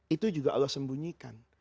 itu juga allah sembunyikan